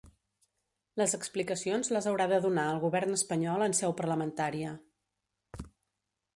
Les explicacions les haurà de donar el govern espanyol en seu parlamentària.